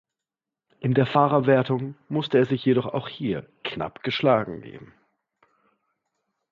In der Fahrerwertung musste er sich jedoch auch hier knapp geschlagen geben.